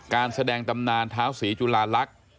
การแสดงตำนานเท้าศรีจุลาลักษณ์